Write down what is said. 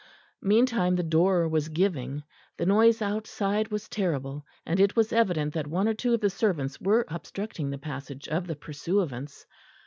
Meantime the door was giving; the noise outside was terrible; and it was evident that one or two of the servants were obstructing the passage of the pursuivants.